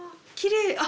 きれい。